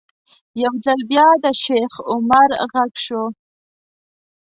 یو ځل بیا د شیخ عمر غږ شو.